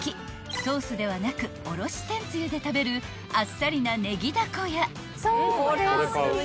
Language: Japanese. ［ソースではなくおろし天つゆで食べるあっさりな］